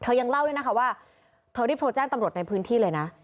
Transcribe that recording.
ยังเล่าด้วยนะคะว่าเธอรีบโทรแจ้งตำรวจในพื้นที่เลยนะ